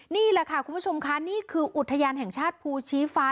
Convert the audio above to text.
นี่แหละค่ะคุณผู้ชมค่ะนี่คืออุทยานแห่งชาติภูชีฟ้า